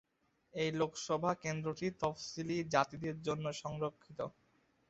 এই লোকসভা কেন্দ্রটি তফসিলি জাতিদের জন্য সংরক্ষিত।